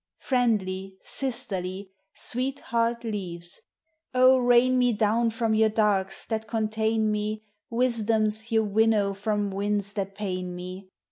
Friendly, sisterly, sweetheart leaves, Oh! rain me down from your darks that contain me Wisdoms ye winnow from winds that pain me: TRi; US: FLOWERS: PLANTS.